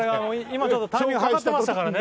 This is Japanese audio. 今ちょっとタイミング計ってましたからね。